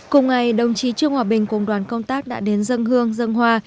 cùng ngày đồng chí trương hòa bình cùng đoàn công tác đã đến dân hương dân hoa